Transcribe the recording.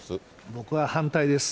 僕は反対です。